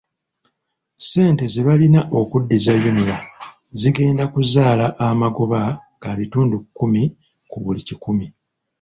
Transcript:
Ssente ze balina okuddiza UNRA zigenda kuzaala amagoba ga bitundu kumi ku buli kikumi.